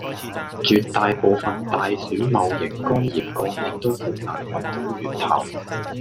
絕大部份大鼠戊型肝炎個案都好難搵到源頭